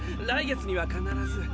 来月には必ず。